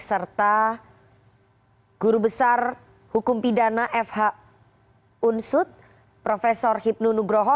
serta guru besar hukum pidana fh unsut prof hipnu nugroho